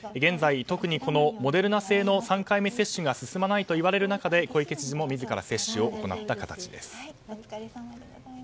現在特にモデルナ社製のワクチンの３回目接種が進まないといわれる中で、小池知事も自ら接種を行った形です。